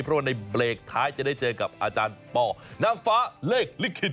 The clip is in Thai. เพราะว่าในเบรกท้ายจะได้เจอกับอาจารย์ป่อนางฟ้าเลขลิขิต